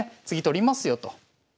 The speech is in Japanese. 次取りますよと。